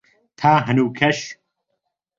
تا هەنووکەش